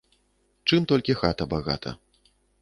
Чым толькі хата багата.